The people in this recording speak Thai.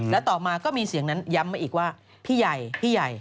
แล้วต่อมาก็มีเสียงนั้นย้ำมาอีกว่าพี่ใหญ่พี่ใหญ่